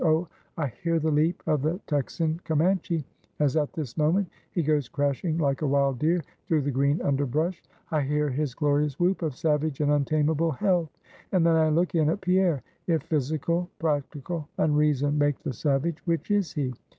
Oh, I hear the leap of the Texan Camanche, as at this moment he goes crashing like a wild deer through the green underbrush; I hear his glorious whoop of savage and untamable health; and then I look in at Pierre. If physical, practical unreason make the savage, which is he?